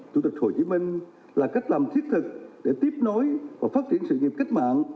chủ tịch hồ chí minh là cách làm thiết thực để tiếp nối và phát triển sự nghiệp cách mạng